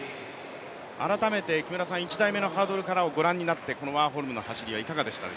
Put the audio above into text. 改めて１台目のハードルからをご覧になってワーホルムの走りはいかがですか？